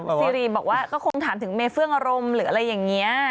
ซีรีส์บอกว่าก็คงถามถึงเมเฟื่องอารมณ์หรืออะไรอย่างนี้